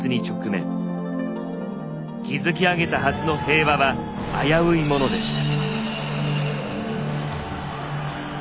築き上げたはずの平和は危ういものでした。